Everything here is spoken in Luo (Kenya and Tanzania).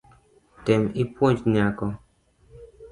Tem ipuonj nyako